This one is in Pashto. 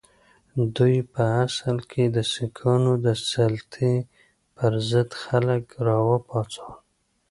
دوی په اصل کې د سیکهانو د سلطې پر ضد خلک را وپاڅول.